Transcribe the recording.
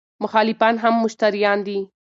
مخالفان هم مشتریان دي.